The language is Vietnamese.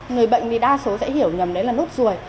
người bệnh thì đa số sẽ hiểu nhầm đấy là nốt ruồi